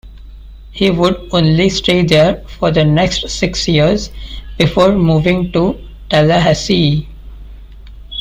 He would only stay there for the next six years before moving to Tallahassee.